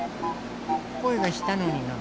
こえがしたのにな。